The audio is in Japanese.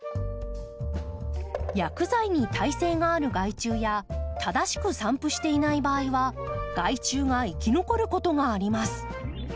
薬剤に耐性がある害虫や正しく散布していない場合は害虫が生き残ることがあります。